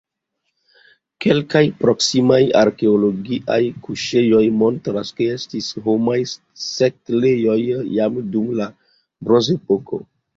Kelkaj proksimaj arkeologiaj kuŝejoj montras, ke estis homaj setlejoj jam dum la Bronzepoko.